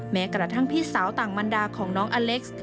แม้กระทั่งพี่สาวต่างบรรดาของน้องอเล็กซ์